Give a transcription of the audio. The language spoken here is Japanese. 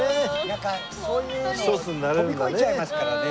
なんかこういうの飛び越えちゃいますからね。